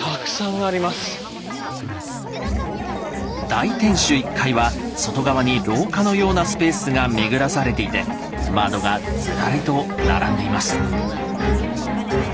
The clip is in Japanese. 大天守１階は外側に廊下のようなスペースが巡らされていて窓がズラリと並んでいます。